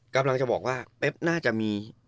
กำลังจะบอกว่าเป๊บน่าจะมี